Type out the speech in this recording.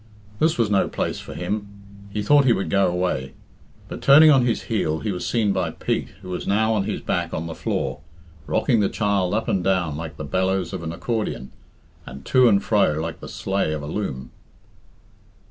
This was no place for him. He thought he would go away. But turning on his heel, he was seen by Pete, who was now on his back on the floor, rocking the child up and down like the bellows of an accordion, and to and fro like the sleigh of a loom.